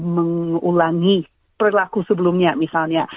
mengulangi pelaku sebelumnya misalnya